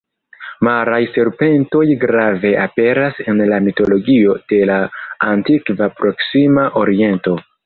Maraj serpentoj grave aperas en la mitologio de la Antikva Proksima Oriento.